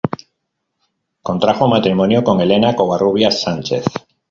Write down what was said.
Contrajo matrimonio con Elena Covarrubias Sánchez.